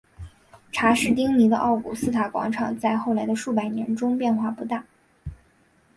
查士丁尼的奥古斯塔广场在后来的数百年中变化不大。